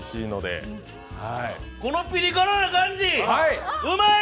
このピリ辛な感じうまい！